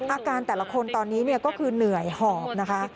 อาการแต่ละคนตอนนี้ก็คือเหนื่อยหอบนะคะ